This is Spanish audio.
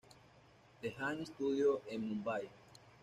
The Jam Studio" en Mumbai.